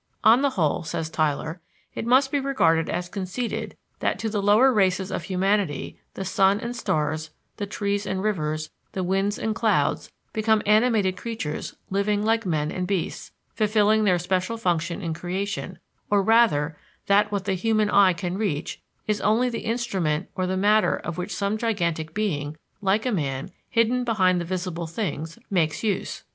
On the whole, says Tylor, it must be regarded as conceded that to the lower races of humanity the sun and stars, the trees and rivers, the winds and clouds, become animated creatures living like men and beasts, fulfilling their special function in creation or rather that what the human eye can reach is only the instrument or the matter of which some gigantic being, like a man, hidden behind the visible things, makes use.